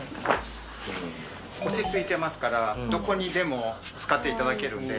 落ち着いてますからどこにでも使っていただけるんで。